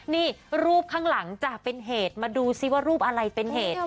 นี่รูปข้างหลังจ้ะเป็นเหตุมาดูซิว่ารูปอะไรเป็นเหตุ